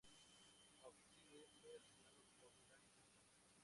Outsider es asesinado por Black Manta.